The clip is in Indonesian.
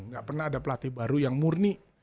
nggak pernah ada pelatih baru yang murni